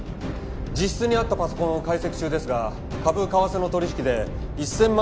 自室にあったパソコンを解析中ですが株為替の取引で１０００万